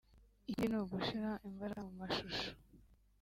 Ikindi ni ugushyira imbaraga mu mashusho